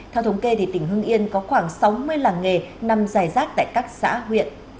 theo thống kê tỉnh hưng yên có khoảng sáu mươi làng nghề nằm dài rác tại các xã huyện